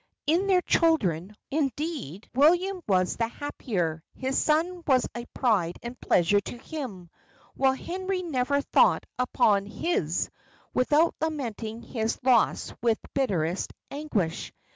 In their children, indeed, William was the happier; his son was a pride and pleasure to him, while Henry never thought upon his without lamenting his loss with bitterest anguish.